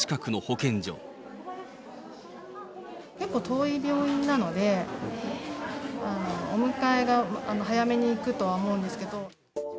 結構遠い病院なので、お迎えが早めに行くとは思うんですけど。